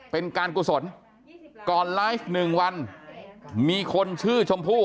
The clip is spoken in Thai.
เป็นการกุศลก่อนไลฟ์๑วันมีคนชื่อชมพู่